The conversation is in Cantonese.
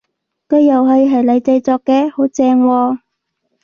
個遊戲係你製作嘅？好正喎！